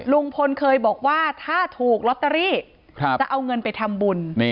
ลุงพลเคยบอกว่าถ้าถูกลอตเตอรี่จะเอาเงินไปทำบุญ